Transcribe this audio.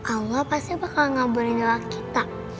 allah pasti bakal ngaberin doa kita